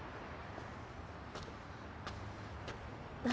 何？